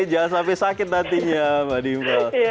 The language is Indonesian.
jangan sampai sakit nantinya mbak diubah